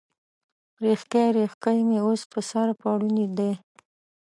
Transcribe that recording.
ریښکۍ، ریښکۍ مې اوس، په سر پوړني دی